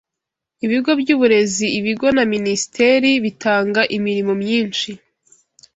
Ibigo byubureziibigo na minisiteri bitanga imirimo myinshi